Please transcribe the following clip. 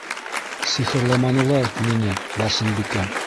Сихырламанылар мине, Барсынбикә.